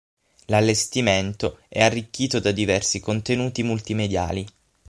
L'allestimento è arricchito da diversi contenuti multimediali.